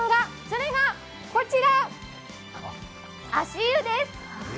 それが、こちら足湯です。